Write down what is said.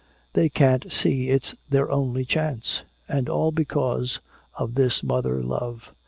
They can't see it's their only chance! And all because of this mother love!